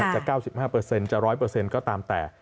จะ๙๕เปอร์เซ็นต์จะ๑๐๐เปอร์เซ็นต์ก็ตามแต่